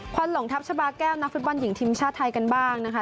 วันหลงทัพชาบาแก้วนักฟุตบอลหญิงทีมชาติไทยกันบ้างนะคะ